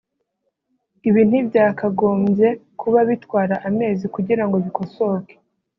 Ibi ntibyakagombye kuba bitwara amezi kugira ngo bikosoke